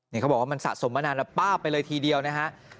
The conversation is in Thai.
นี่เขาบอกว่ามันสะสมมานานแล้วป้าบไปเลยทีเดียวนะฮะ